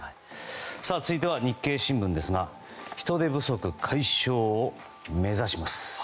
続いては日経新聞ですが人手不足解消を目指します。